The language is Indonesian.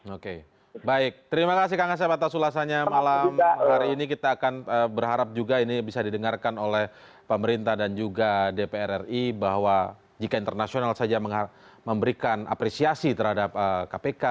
oke baik terima kasih kang asep atas ulasannya malam hari ini kita akan berharap juga ini bisa didengarkan oleh pemerintah dan juga dpr ri bahwa jika internasional saja memberikan apresiasi terhadap kpk